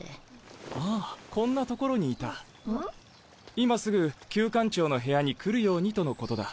今すぐ宮官長の部屋に来るようにとのことだ。